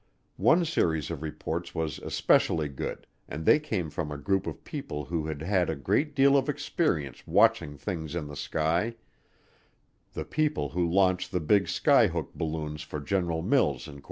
One series of reports was especially good, and they came from a group of people who had had a great deal of experience watching things in the sky the people who launch the big skyhook balloons for General Mills, Inc.